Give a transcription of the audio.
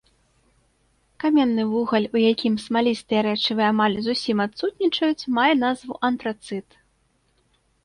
Каменны вугаль у якім смалістыя рэчывы амаль зусім адсутнічаюць, мае назву антрацыт.